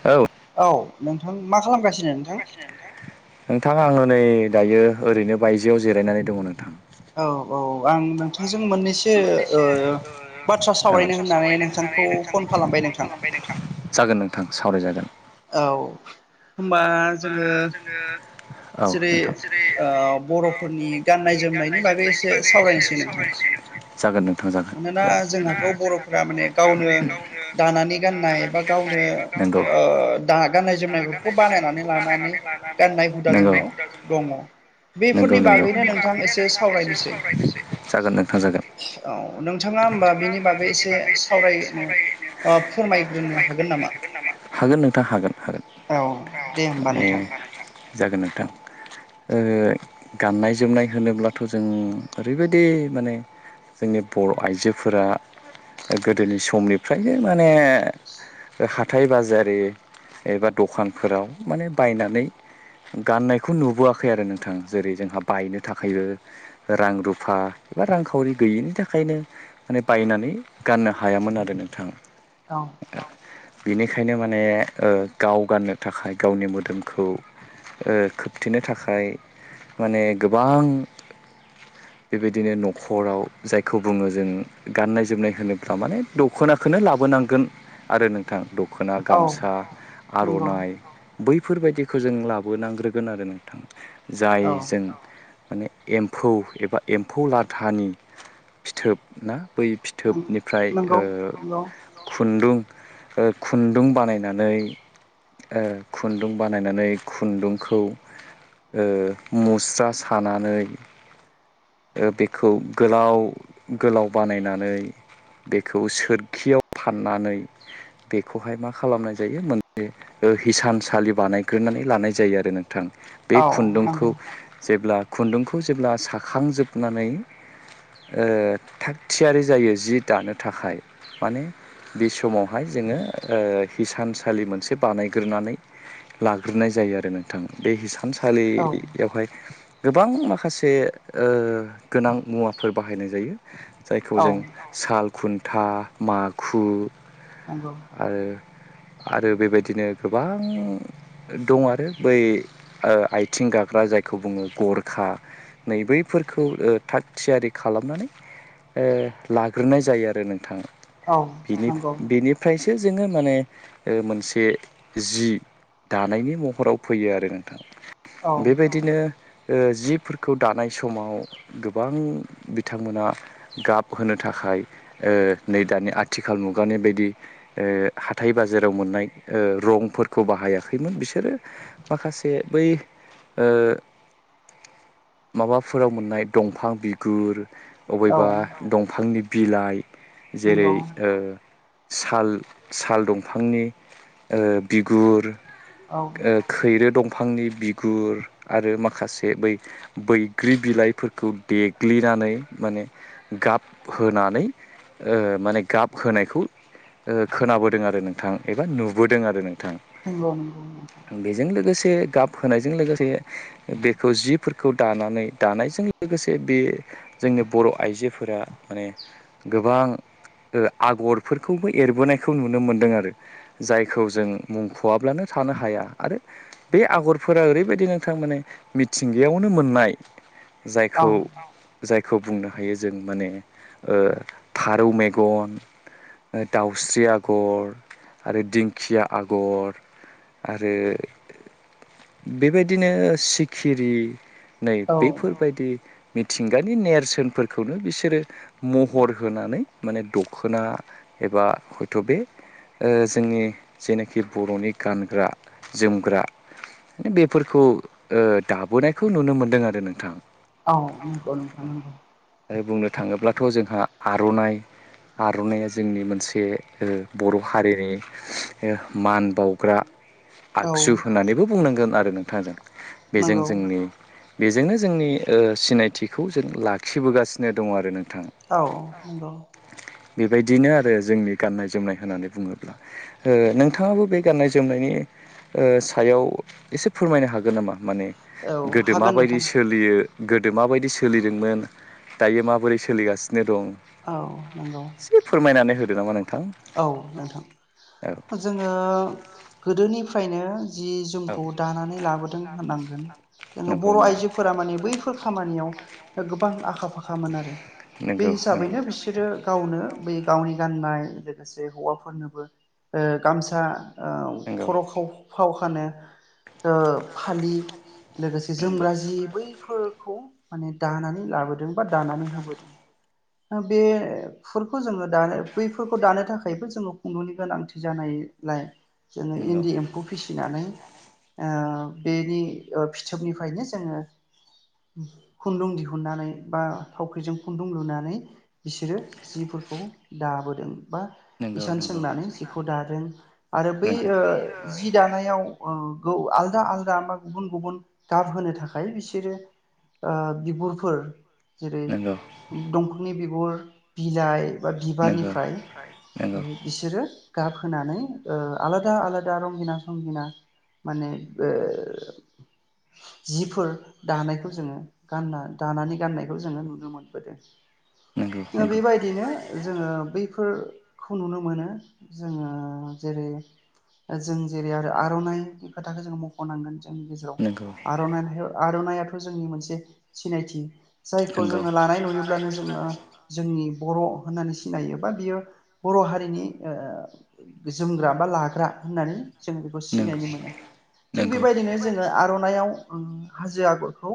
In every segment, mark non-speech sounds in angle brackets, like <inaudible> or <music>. औ औ नोंथां मा खालामगासिनो नोंथां? नोंथां आंङो नै दायो ओरैनो बायजोआव जिरायनानै दङ नोंथां। औ औ आं नों थांजों मोननैसो ओ बाथ्रा औ सावरायनो होननानै नोंथांखौ फन खालामबाय नोंथां। <inaudible> जागोन नोंथां सावरायजागोन। औ होमबा। जोडों औ जेरै नोंथां ओ बर'फोरनि गाननाय जोमनायनि बागै एसे सावरायनोसै नोंथां जागोन नोंथां जागोन मानोना जागोन जोंहाथ' बर'फोरा माने गावनो दानानै गाननाय बा गावनो ओ। दा गाननाय जोमनायफोरखौ बानायनानै लानानै गाननाय हुदा जोंनाव दङ बेफोरनि दं बागैनो नोंथां एसे सावरायनोसै जागोन नोंथां जागोन औ नोंथाङा होमबा बेनि बागै एसे सावरायनो ओ फोरमाय रोंनो हागोन नामा। हागोन नोंथां हागोन। औ दे होमबा ऐ नोंथां। जागोन नोंथां। ओ गाननाय जोमनाय होनोब्लाथ' जों ओरैबायदि माने जोंनि बर' आइजोफोरा गोदोनि समनिफ्रायनो माने हाथाय बाजारि एबा दखानफोराव माने बायनानै गाननायखौ नुबोआखै आरो नोंथां जेरै जोंहा बायनो थाखायो रां रुफा एबा रांखावरि गैयिनि थाखायनो माने बायनानै गाननो हायामोन आरो नोंथां। औ। बिनिखायनो माने ओ गाव गाननो थाखाय गावनि मोदोमखौ ओ खोबथेनो थाखाय माने गोबां <inaudible> बेबायदिनो न'खराव जायखौ बुङो जों गाननाय जोमनाय होनोबा माने दख'नाखोनो लाबो नांगोन आरो नोंथां द दख'ना औ गामसा नंगौ आर'नाइ बैफोरबायदिखौ जों लाबोनांग्रोगोन आरो नोंथां। जाय औ जों माने एम्फौ एबा एम्फौ लाथानि फिथोब ना बै फि थोबनिफ्राय नंगौ नंगौ ओ खुन्दुं ओ खुन्दुं बानायनानै ओ खुन्दुं बानायनानै खुन्दुंखौ ओ मुस्रा सानानै ओ बेखौ गोलाव गोलाव बानायनानै बेखौ सोरखियाव फाननानै बेखौहाय मा खालामनाय जायो माने ओ हिसानसालि बानायग्रोनानै लानाय जायो आरो नोंथां बे औ नंगौ खुन्दुंखौ जेब्ला खुन्दुंखौ जेब्ला साखांजोबनानै ओ थाग थियारि जायो जि दानो थाखाय माने बे समावहाय जोङो ओ हिसानसालि मोनसे बानाय ग्रोनानै लाग्रोनाय जायो आरो नोंथां बे हसानसालि औ यावहाय गोबां माखासे ओ गोनां मुवाफोर बाहायनाय जायो। जायखौ औ जों साल खुन्था माखु नंगौ। ओ आरो बेबायदिनो गोबां दं आरो बै ओ आथिं गाग्रा जायखौ बुङो गरखा, नै बैफोरखौ ओ थाग थियारि खालामनानै, ओ लाग्रोनाय जायो आरो नोंथाङा। औ बिनि नंगौ - बिनिफ्रायसो जोङो माने मोनसे जि दानायनि महराव फैयो आरो नोंथां। औ औ बेबायदि बिदिनो ओ जिफोरखौ दानाय समाव गोबां बिथांमोना गाब होनो थाखाय, ओ नै दानि आथिखाल मुगानि बायदि ओ हाथाइ- बाजाराव मोननाय रंफोरखौ बाहायाखैमोन बिसोरो माखासे बै ओ माबाफोराव मोननाय दंफां बिगुर नंगौ औ अबेबा दंफांनि बिलाइ नंगौ जेरै ओ साल साल दंफांनि ओ बिगुर औ ओ खैरो दंफांनि बिगुर आरो माखासे बै बैग्रि बिलाइफोरखौ देग्लिनानै माने गाब होनानै ओ माने गाब होनायखौ ओ खोनाबोदों आरो नोंथां एबा नुबोदों आरो नोंथां। नंगौ -नंगौं- नंगौ। बेजों लोगोसे गाब होनायजों लोगोसे बेखौ जिफोरखौ दानानै - दानायजों लोगोसे बे जोंनि बर' आइजोफोरा माने, गोबां आगरफोरखौबो एरबोनायखौ नुनो मोनदों आरो जायखौ जों मुंख'वाब्लानो थानो हाया आरो बे आगरफोरा ओरैबायदि नोंथां माने, मिथिंगायावनो मोननाय, जायखौ जायखौ बुंनो हायो जों माने ओ फारौ मेगन, दाउस्रि आगर, आरो दिंखिया आगर आरो बेबायदिनो सिखिरि नै औ बेफोरबायदि मिथिंगानि नेरसोनफोरखौनो बिसोरो महर होनानै माने दख'ना एबा हयथ' बे ओ जोंनि जेनाखि बर'नि गानग्रा - जोमग्रा। बेफोरखौ दाबोनायखौ नुनो मोनदों आरो नोंथां। औ नंगौ- नंगौ -नंगौ। आरो बुंनो थाङोब्लाथ' जोंहा आर'नाइ, आर'नाइा जोंनि मोनसे बर' हारिनि मान बावग्रा औ आगजु होननानैबो बुं बुंनांगोन आरो नोंथां जों बेजों नंगौ जोंनि बेजोंनो जोंनि ओ सिनायथिखौ जों लाखिबोगासिनो दङ आरो नों औ नंगौ। बेबायदिनो आरो जोंनि गाननाय-जोमनाय होनानै बुङोब्ला ओ नोंथाङाबो बे गाननाय -जोमनायनि ओ सायाव एसे फोरमायनो हागोन नामा? माने औ गोदो हागोन माबायदि नोंथां सोलियो। गोदो माबायदि सोलिदोंमोन दायो माबोरै सोलिगासिनो दं? औ नंगौ एसे फोरमायनानै होदो नामा नोंथां? औ नोंथां औ जोङो गोदोनिफ्रायनो जि - औ जोमखौ दानानै लाबोदों होननांगोन जोङो नंगौ बर' नंगौ आइजोफोरा माने बैफोर फोर खामानियाव गोबां आखा फाखामोन आरो बे हिसाबैनो बिसोरो गावनो बै गावनि गाननाय लोगोसे हौवाफोरनोबो गामसा गावनि खर' गाननाय खाव फाव खानो फालि लोगोसे नंगौ जोमग्रा जि बैफोरखौ माने दानानै लाबोदों बा दानानै होबोदों। बे फोरखौ जोङो दानो बैफोरखौ दानो थाखायबो जोङो खुन्दुनि गोनांथि जानायलाय जोङो इन्दि एम्फौ फिसिनानै बेनि फिथोबनिफ्रायनो जोङो खुन्दुं दिहुननानै बा थावख्रिजों खुन्दुं लुनानै बिसोरो जिफोरखौ दाबोदों बा नंगौ नंगौ इसान सोंनानै जिखौ दादों आरो बै जि दानायाव आलदा आलदा बा गुबुन गुबुन गाब होनो थाखाय बिसोरो ओ बिगुरफोर जेरै दंफांनि बिगुर बिलाइ बा नंगौ बिबारनिफ्राय बिसोरो गाब होनानै आलादा आलादा रंगिना संगिना माने ओ जिफोर दानायखौ जोङो गानना दानानै गाननायखौ जोङो नुनो मोनबोदों नंगौ बेबायदिनो जोङो बै बेफोरखौ नुनो मोनो जोङो जेरै जों जेरै आरो आर'नाइनि खोथाखौ जोङो मख'नांगोन जोंनि गेजेराव आर'नाइ आर'नाइाथ' जोंनि मोनसे सिनायथि जायखौ नंगौ जोङो लानाय नुयोब्लानो जोङो जोंनि बर' होननानै सिनायो बा बियो बर' हारिनि जोमग्रा बा लाग्रा होननानै जोङो बेखौ सिनायनो मोनो थिग बेबायदिनो जोङो जों आर'नाइाव हाजो आगरखौ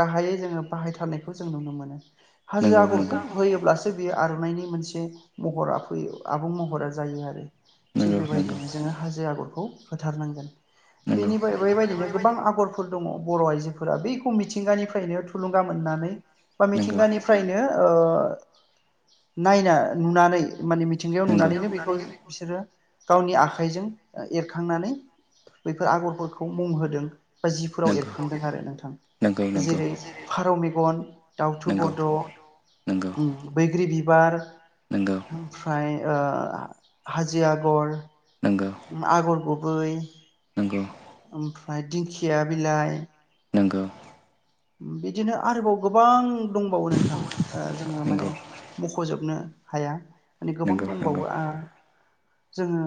गाहायै जोङो बाहायथारनायखौ जों नुनो मोनो नंगौ हाजो आगरखौ होयोब्लासो बेयो आर'नाइनायनि मोनसे महरा फैयो आबुं महरा जायो आरो थिग नंगौ नंगौ नंगौ नंगौ बेबायदिनो जोङो हाजो आगरखौ होथारनांगोन नंगौ बेनि बेबायदिनो गोबां आगरफोर दङ बर' आइजोफोरा बेै मिथिंगानिफ्रायनो थुलुंगा मोननानै बा नंगौ मिथिंगानि नो नायना नुनानै माने मिथिंगायाव नुनानैनो बेखौ बिसोरो गावनि आखाइजों एरखांनानै बैफोर आगरफोरखौ मुं होदों बा जिफोराव नंगौ एरखांदों आरो नोंथां नंगौ नंगौ जेरै फारौ मेगन दाावथु गद' नंगौ नंगौ आरो' बैग्रि बिबार ओमफ्राय हाजो आगर नोंगौ आगर गुबै नोंगौ ओमफ्राय दिंखिया बिलाइ नोंगौ बिदिनो आरोबाव गोबां दंबावो नोंथां जोङो माने नंगौ मख'जोबनो हाया माने गोबां नंगौ नंगौ दंबावो जोङो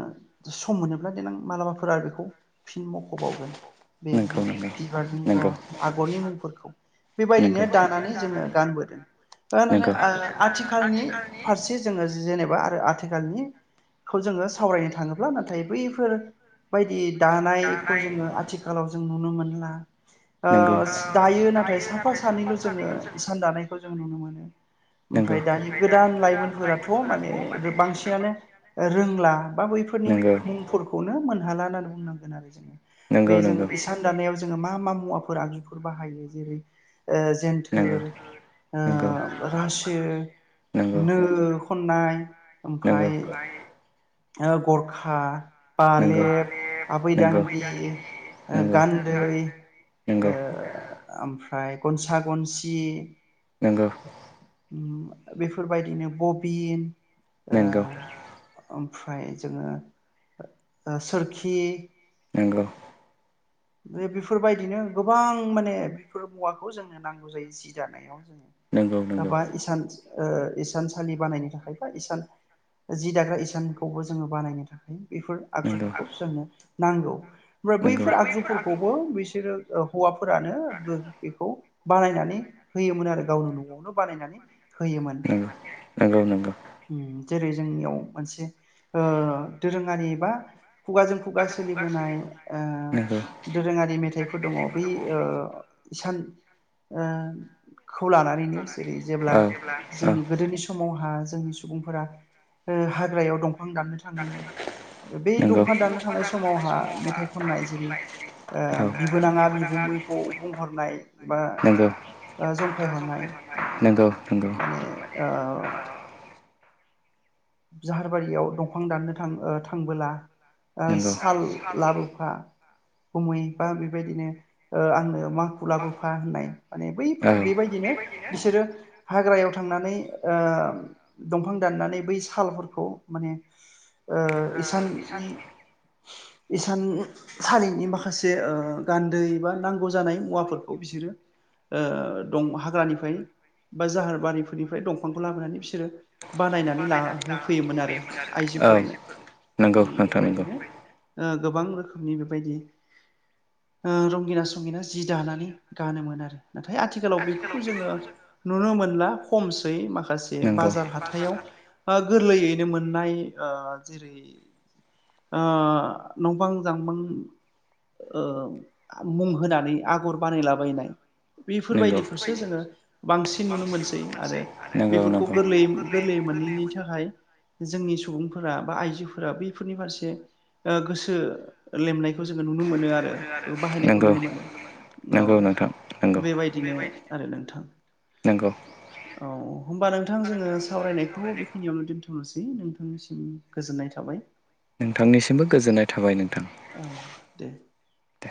सम मोनोब्ला देनां मालाबाफोरा बेखौ फिन मख'बावगोन बे नंगौ बिबारनि ओ नंगौ आगरनि मुंफोरखौ नंगौ बेबायदिनो दानानै जोङो गानबोदों गानबोदों आथिखालनि फारसे फारसे जोङो जेनेबा आरो आथिखालनि खौ जोङो सावरायनो थाङोब्ला नाथाय बैफोर बायदि दानायखौ जोङो आथिखालाव जों नुनो मोनला नंगौ दायो नाथाय साफा सानैल' जोङो इसान दानायखौ जों नुनो मोनो नंगौ ओमफ्राय रोंला दानि गोदान लाइमोनफोराथ' माने बांसिनानो रोंला बा बैफोरनि मुंफोर- खौनो मोनहाला होननानै बुंनांगोन आरो जों नंगौ बे जों नंगौ इसान दानायाव जों मा मा मुवा- फोर आगजुफोर बाहायो जेरै नंगौ जेन्थोर नंगौ रासो नो खननाय ओमफाय ओ गरखा नंगौ बालेब, नंगौ आबैदांगि, गान्दै, नोंगौ। ओ ओमफ्राय गनसा गनसि, नोंगो। बेफोरबायदिनो बबिन, नोंगौ ओ ओमफ्राय जोङो सोरखि नोंगौ बेफोरबायदिनो गोबां माने बेफोर मुवाखौ जोंनो नांगौ जायो जि दानायाव जोङो नंगौ नंगौ <unintelligible> इसान इसानसालि बानायनो थाखाय बा इसान जि दाग्रा इसानखौबो जोङो बानायनो थाखा- य बेफोर नंगौ आगजुफोरखौ जोंनो नांगौ ओमफ्राय बैफोर आगजु बैसोरो हौवाफोरानो बो-बेखौ बानायनानै होयोमोन आरो गावनो न'आवनो बानायनानै। होयोमोन। नंगौ नंगौ नंगौ जेरै जोंनियाव मोनसे ओ दोरोङारि बा खुगाजों खुगा सोलिबोनाय नंगौ ओ दोरोङारि मेथाइफोर दङ बै ओ सान ओ खौ लानानैनो जेरै जेब्ला जोंनि गोदोनि स खहा जोंनि सुबुंफोरा ओ हाग्रायाव दंफां दाफ बे दंफां दाननो थांनाय समावहा मेथाइ खननाय जेरै ओ बिबोनाङा बिगुमैखौ बुंहरनाय बा ओ जंखायहरनाय नंगौ नंगौ माने ओ जाहारबारियाव दंफां दाननो थां ओ थांबोला। नंगौ नंगौ साल लाबोफा गुमै बा बेबायदिनो ओ आंनो मा खु लाबोफा होननाय माने लांगा बैफोर बेबायदिनो बिसोरो हाग्रायाव थांनानै ओ दंफां दाननानै बैस थालफोरखौ माने ओ इसाननि इसान सालिनि माखासे ओ गान्दै एबा नांगौ जानाय मुवाफोरखौ बिसोरो ओ दं हाग्रानिफ्राय बा जाहार बारिफोरनिफ्राय दंफांखौ लाबोनानै बिसोरो बानायनानै ला होफैयोमोन आरो आइजोफोरनो औ नंगौ नोंथां नंगौ बेबायदिनो। ओ गोबां रोखोमनि बेबायदि ओ रंगिना संगिना जि दानानै गानोमोन आरो ‌। नाथाय आथिखालाव बेफोरखौ जोङो नुनो मोनला खमसै माखास नंगौ बाजार हाथायाव गोरलैयैनो मोननाय ओ जेरै नंबां जांबां ओ मुं होनानै आगर बानायलाबायनाय, नंगौ बेफोरबायदिखौसो जोङो बांसिन नुनो मोनसै आरो गोरलै बेफोरखौ गोरलैयै-गोरलैयै मोनैनि था खाय जोंनि सुबुंफोरा बा आइजोफोरा बैफोरनि फारसे ओ गोसो लेमनायखौ जोङो नुनो मोनो आरो बाहायनायखौ नंगौ नुनो मोनो औ। नंगौ नोंथां नंगौ बेबायदिनो आरो नोंथां। नंगौ औ होमबा नोंथां जोङो सावरायनायखौ खिनियावनो दोनथ'नोसै नोंथांनिसिम गोजोननाय थाबाय ‌। नोंथांनिसिमबो गोजोननाय थाबाय नोंथां। औ दे। दे